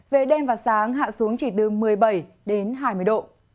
về đêm và sáng hạ xuống chỉ từ một mươi bảy đến hai mươi độ